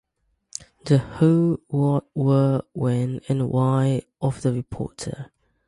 The who, what, where, when, and why of the reporter.